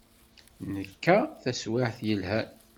Nekka taswiɛt yelhan.